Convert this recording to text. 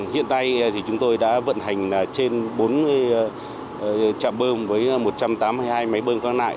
hiện nay chúng tôi đã vận hành trên bốn trạm bơm với một trăm tám mươi hai máy bơm